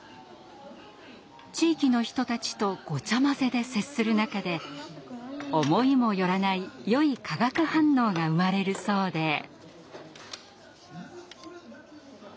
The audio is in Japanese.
地域の人たちとごちゃまぜで接する中で思いも寄らないよい化学反応が生まれるそうで。